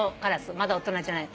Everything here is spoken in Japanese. まだ大人じゃない。